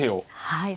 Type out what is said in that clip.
はい。